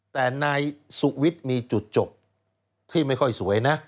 แต่นายสุวิทย์มีจุดจบที่ไม่ค่อยสวยนะ